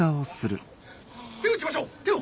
手を打ちましょう手を。